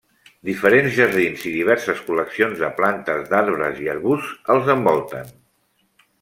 Diferents jardins i diverses col·leccions de plantes, d'arbres i arbusts els envolten.